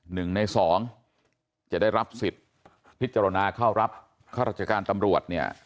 หนึ่งในสองจะได้รับสิทธิ์พิจารณาเข้ารับข้าราชการตำรวจเนี่ย